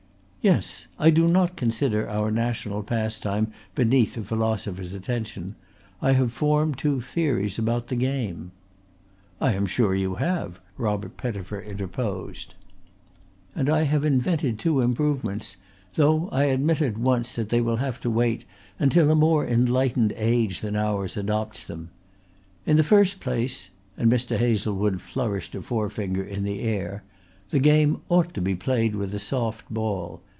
"Yes. I do not consider our national pastime beneath a philosopher's attention. I have formed two theories about the game." "I am sure you have," Robert Pettifer interposed. "And I have invented two improvements, though I admit at once that they will have to wait until a more enlightened age than ours adopts them. In the first place" and Mr. Hazlewood flourished a forefinger in the air "the game ought to be played with a soft ball.